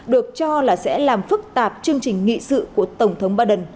được cho là sẽ làm phức tạp chương trình nghị sự của tổng thống biden